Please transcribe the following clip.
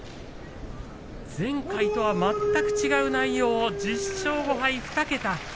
前回とは全く違う内容１０勝５敗、２桁。